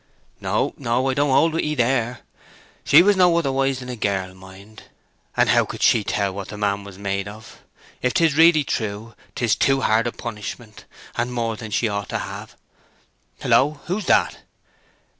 "No, no. I don't hold with 'ee there. She was no otherwise than a girl mind, and how could she tell what the man was made of? If 'tis really true, 'tis too hard a punishment, and more than she ought to hae.—Hullo, who's that?"